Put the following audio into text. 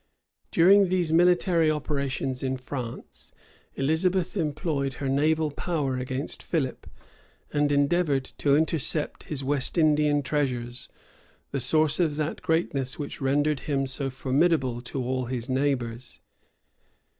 During these military operations in France, Elizabeth employed her naval power against Philip, and endeavored to intercept his West Indian treasures, the source of that greatness which rendered him so formidable to all his neighbors.